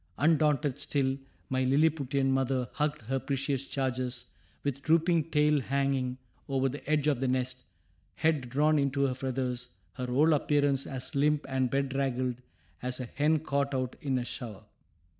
Undaunted still, my Lilliputian mother hugged her precious charges, with drooping tail hanging over the edge of the nest, head drawn into her feathers, her whole appearance as limp and bedraggled as a hen caught out in a shower.